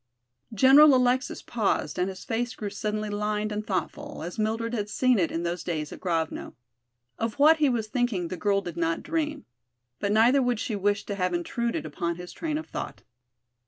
General Alexis paused and his face grew suddenly lined and thoughtful, as Mildred had seen it in those days at Grovno. Of what he was thinking the girl did not dream, but neither would she wish to have intruded upon his train of thought.